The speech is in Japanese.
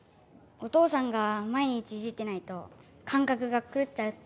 お父さんが「毎日いじってないと感覚が狂っちゃう」って。